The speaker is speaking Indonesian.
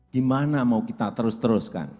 gimana mau kita terus teruskan